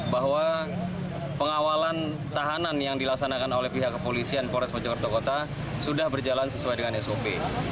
bahwa pengawalan tahanan yang dilaksanakan oleh pihak kepolisian pores mojokerto kota sudah berjalan sesuai dengan sop